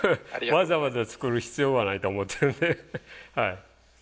わざわざ作る必要はないと思ってるんで。